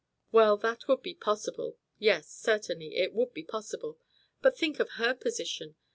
"Well, that would be possible. Yes, certainly, it would be possible. But think of her position.